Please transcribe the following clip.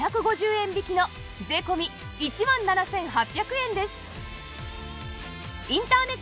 円引きの税込１万７８００円です